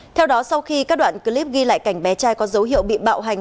theo đó sau khi các đoạn clip ghi lại cảnh bé trai có dấu hiệu bị bạo hành